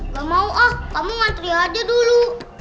nggak mau ah kamu ngantri aja dulu